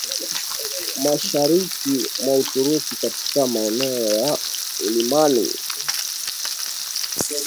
Mashariki mwa Uturuki katika maeneo ya milimani